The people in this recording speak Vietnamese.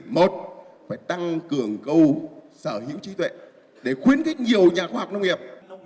một phải tăng cường cầu sở hữu trí tuệ để khuyến khích nhiều nhà khoa học nông nghiệp